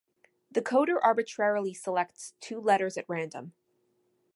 The coder arbitrarily selects two letters at random.